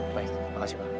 baik makasih pak